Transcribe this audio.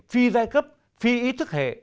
phi giai cấp phi ý thức hệ